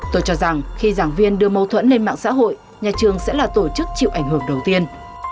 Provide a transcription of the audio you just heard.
tôi cho rằng khi giảng viên đưa mâu thuẫn lên mạng xã hội nhà trường sẽ là tổ chức chịu ảnh hưởng đầu tiên